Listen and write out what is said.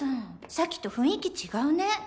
さっきと雰囲気違うね。